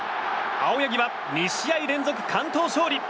青柳は２試合連続完投勝利！